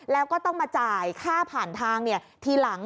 แล้วก็ต้องมาจ่ายค่าผ่านทางทีหลัง